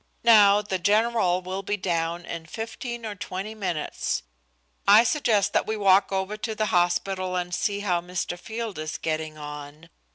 Now, the general will be down in fifteen or twenty minutes. I suggest that we walk over the hospital and see how Mr. Field is getting on.